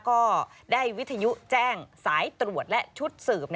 ก็ได้วิทยุแจ้งสายตรวจและชุดสืบ